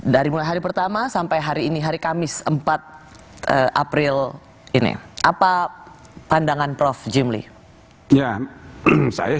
dari mulai hari pertama sampai hari ini hari kamis empat april ini apa pandangan prof jimli